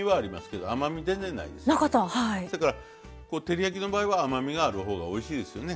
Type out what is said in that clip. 照り焼きの場合は甘みがある方がおいしいですよね。